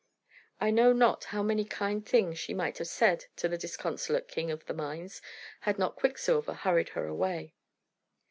I know not how many kind things she might have said to the disconsolate king of the mines, had not Quicksilver hurried her away.